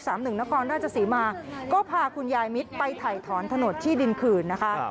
นครราชศรีมาก็พาคุณยายมิตรไปถ่ายถอนถนนที่ดินคืนนะคะ